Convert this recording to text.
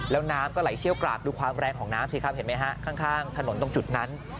แล้วน้ำก็ไหลเชี่ยวกราบดูความแรงของน้ำสิครับเห็นไหมฮะข้างถนนตรงจุดนั้น